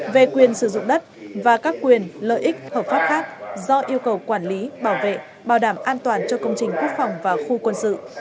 về quyền sử dụng đất và các quyền lợi ích hợp pháp khác do yêu cầu quản lý bảo vệ bảo đảm an toàn cho công trình quốc phòng và khu quân sự